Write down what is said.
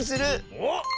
おっ！